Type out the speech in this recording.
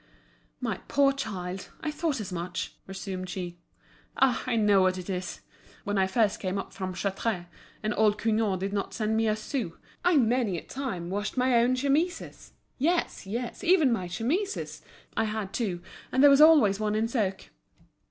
"My poor child, I thought as much," resumed she. "Ah, I know what it is! When I first came up from Chartres, and old Cugnot didn't send me a sou, I many a time washed my own chemises! Yes, yes, even my chemises! I had two, and there was always one in soak."